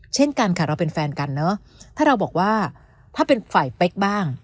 เช่นกันค่ะเราเป็นแฟนกันเนอะถ้าเราบอกว่าถ้าเป็นฝ่ายเป๊กบ้าง